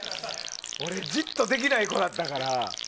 俺、じっとできない子だったから。